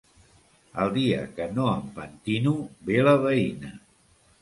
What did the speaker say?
El dia que no em pentino, ve la veïna.